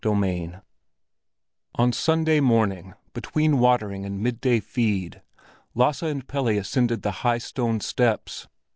XXIII On Sunday morning, between watering and midday feed, Lasse and Pelle ascended the high stone steps.